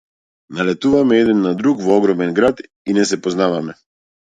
Налетуваме еден на друг во огромен град и не се познаваме.